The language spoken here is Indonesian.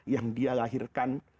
yang dia lahirkan